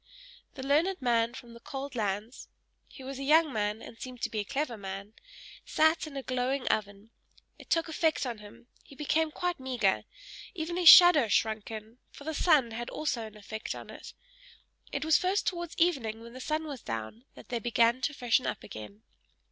The learned man from the cold lands he was a young man, and seemed to be a clever man sat in a glowing oven; it took effect on him, he became quite meagre even his shadow shrunk in, for the sun had also an effect on it. It was first towards evening when the sun was down, that they began to freshen up again.